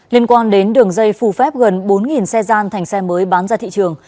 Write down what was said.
liên quan đến đường dây phù phép gần bốn xe gian thành xe mới bán ra thị trường